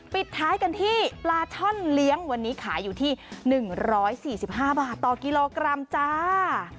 ปิดท้ายกันที่ปลาช่อนเลี้ยงวันนี้ขายอยู่ที่๑๔๕บาทต่อกิโลกรัมจ้า